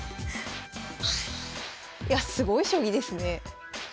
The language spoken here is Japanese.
いやすごい将棋ですね。